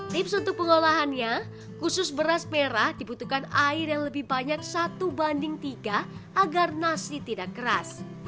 tips untuk pengolahannya khusus beras merah dibutuhkan air yang lebih banyak satu banding tiga agar nasi tidak keras